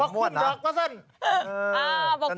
เพราะคุมดอกเบอร์เซิน